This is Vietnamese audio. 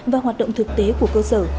và hoạt động thực tế của cơ sở